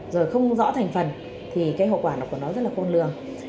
rồi không rõ thành phần thì cái hậu quả nó của nó rất là khôn lường